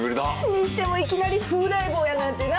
にしてもいきなり『風来坊』やなんてな。